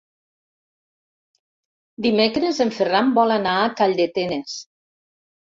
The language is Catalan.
Dimecres en Ferran vol anar a Calldetenes.